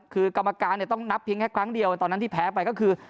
คือกรรมการต้องนับเพียงแค่ครั้งเดียวตอนนั้นที่แพ้ไปก็คือ